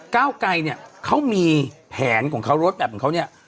ก้าวไกรเนี่ยเขามีแผนของเขารถแมพของเขาเนี่ย